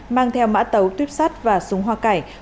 mang theo mã tấu tuyếp sắt và súng hoa cải